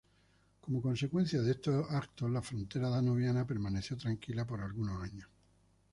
Como consecuencia de estos eventos, la frontera danubiana permaneció tranquila por algunos años.